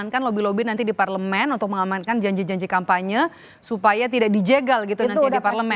jangankan lobby nanti di parlemen untuk mengamankan janji janji kampanye supaya tidak dijegal gitu nanti di parlemen